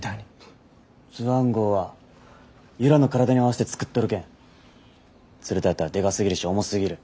スワン号は由良の体に合わせて作っとるけん鶴田やったらでかすぎるし重すぎる。